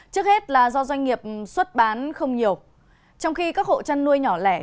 trước hết là do doanh nghiệp xuất bán không nhiều trong khi các hộ chăn nuôi nhỏ lẻ